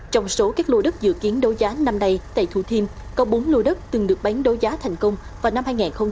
trong số các lô đất dự kiến đấu giá năm nay tại thủ thiêm có bốn lô đất từng được bán đấu giá thành công vào năm hai nghìn một mươi